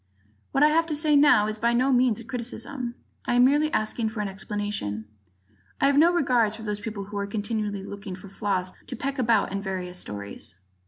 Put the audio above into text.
What I have to say now is by no means a criticism. I am merely asking for an explanation. I have no regard for those people who are continually looking for flaws to peck about in various stories.